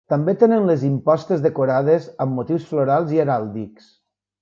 També tenen les impostes decorades amb motius florals i heràldics.